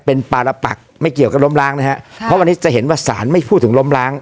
เป็นปารปักไม่เกี่ยวกับล้มล้างนะฮะค่ะเพราะวันนี้จะเห็นว่าสารไม่พูดถึงล้มล้าง